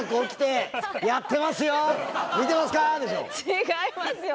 違いますよ。